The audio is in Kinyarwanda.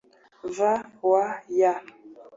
v w y